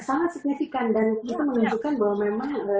sangat signifikan dan itu menunjukkan bahwa memang